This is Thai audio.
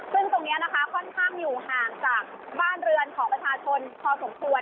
ซึ่งตรงนี้นะคะค่อนข้างอยู่ห่างจากบ้านเรือนของประชาชนพอสมควร